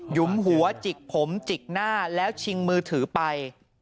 ยุมหัวจิกผมจิกหน้าแล้วชิงมือถือไป